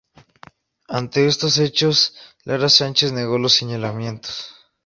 Ante estos hechos Lara sanchez negó los señalamientos.